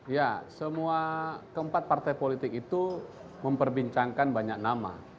ya semua keempat partai politik itu memperbincangkan banyak nama